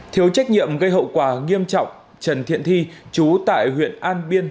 thiếu trách nhiệm gây hậu quả nghiêm trọng trần thiện thi chú tại huyện an biên